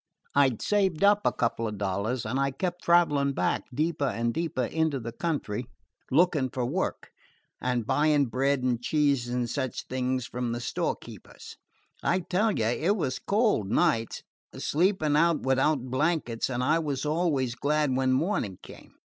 "I 'd saved up a couple of dollars, and I kept traveling back, deeper and deeper into the country, looking for work, and buying bread and cheese and such things from the storekeepers. I tell you, it was cold, nights, sleeping out without blankets, and I was always glad when morning came.